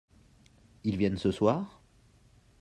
Ils viennent ce soir ?